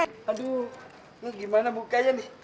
aduh ini gimana buka aja nih